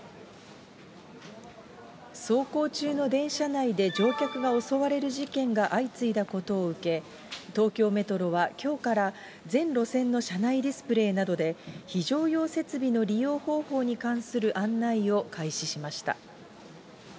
走行中の電車内で乗客が襲われる事件が相次いだことを受け、東京メトロはきょうから全路線の車内ディスプレーなどで、非常用設備の利用方法に関する案内を開始しました。